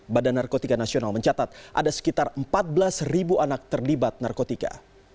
badan narkotika nasional mencatat ada sekitar empat belas anak terlibat narkotika